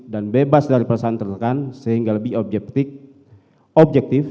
dan bebas dari perasaan tertekan sehingga lebih objektif